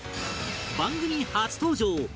番組初登場！